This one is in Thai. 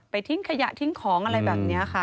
ทิ้งขยะทิ้งของอะไรแบบนี้ค่ะ